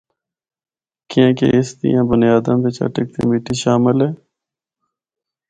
کیّاںکہ اس دیاں بنیاداں بچ اٹک دی مٹی شامل ہے۔